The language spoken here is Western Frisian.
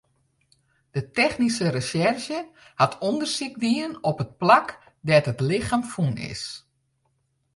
De technyske resjerzje hat ûndersyk dien op it plak dêr't it lichem fûn is.